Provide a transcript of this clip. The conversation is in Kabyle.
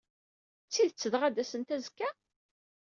D tidet dɣa, ad d-asent azekka?